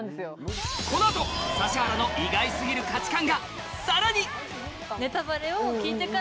この後指原の意外過ぎる価値観がさらに！